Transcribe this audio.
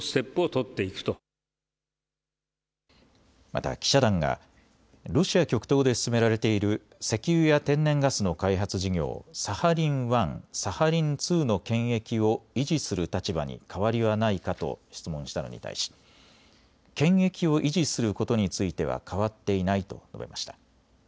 また記者団がロシア極東で進められている石油や天然ガスの開発事業、サハリン１、サハリン２の権益を維持する立場に変わりはないかと質問したのに対し権益を維持することについては変わっていないと述べました。